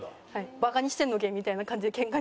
「バカにしてんのけ？」みたいな感じでけんかに。